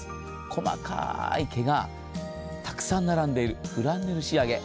細かい毛がたくさん並んでいるフランネル仕上げ。